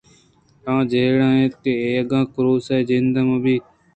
آہاں جیڑ اِت :کہ اگاں کُروس ءِ جند مہ بیت